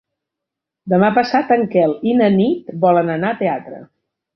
Demà passat en Quel i na Nit volen anar al teatre.